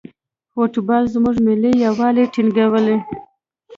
فوټبال زموږ ملي یووالی ټینګوي.